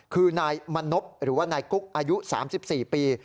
คือนายมณพหรือว่านายกุ๊กอายุ๓๔ปี